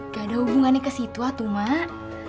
gak ada hubungannya ke situ tuh emak